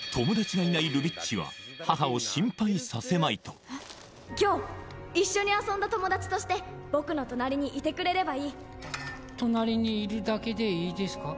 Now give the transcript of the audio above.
母を心配させまいと今日一緒に遊んだ友達として僕の隣にいてくれればいい隣にいるだけでいいですか？